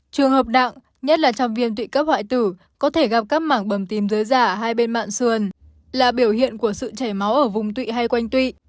trường hợp nặng nhất là trong viên tụy cấp hoại tử có thể gặp các mảng bầm tím dưới giả hai bên mạng sườn là biểu hiện của sự chảy máu ở vùng tụy hay quanh tụy